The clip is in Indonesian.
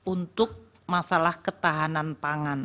untuk masalah ketahanan pangan